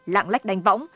lạng lách đánh võng